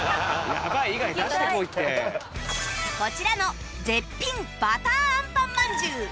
こちらの絶品ばたーあんパンまんじゅう